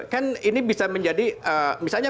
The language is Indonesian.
kan ini bisa menjadi misalnya